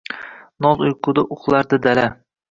Noz uyquda uxlardi dala.